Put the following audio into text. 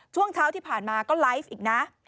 ช่วงเช้าที่ผ่านมาก็ไลฟ์อีกนะ